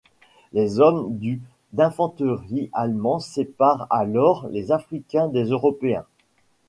Les hommes du d'infanterie allemand séparent alors les Africains des Européens.